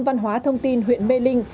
văn hóa thông tin huyện mê linh